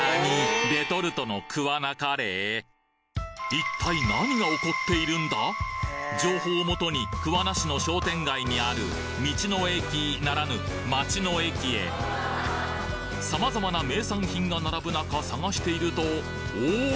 一体情報を元に桑名市の商店街にあるみちの駅ならぬまちの駅へ様々な名産品が並ぶ中探しているとお！